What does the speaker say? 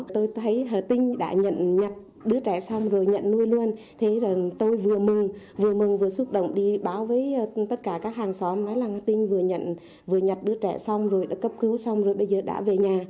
tôi thấy hà tinh đã nhận nhặt đứa trẻ xong rồi nhận nuôi luôn thế tôi vừa mừng vừa mừng vừa xúc động đi báo với tất cả các hàng xóm nói là tinh vừa nhận vừa nhặt đứa trẻ xong rồi đã cấp cứu xong rồi bây giờ đã về nhà